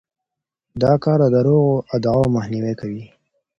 دا کار د دروغو ادعاوو مخنیوی کوي.